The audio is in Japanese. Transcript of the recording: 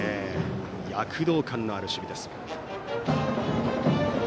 躍動感のある守備です。